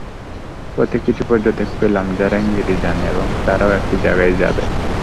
পথে কিছু পর্যটক পেলাম যারা ইংরেজি জানে এবং তারাও একই জায়গায় যাবেন।